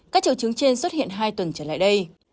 các triệu chứng trên xuất hiện hai tuần trở lại đây